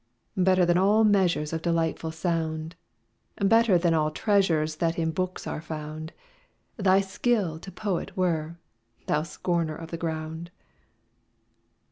Better than all measures Of delightful sound, Better than all treasures That in books are found. Thy skill to poet were, thou scorner of the ground!